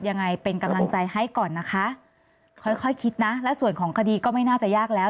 ยังไงเป็นกำลังใจให้ก่อนนะคะค่อยค่อยคิดนะและส่วนของคดีก็ไม่น่าจะยากแล้ว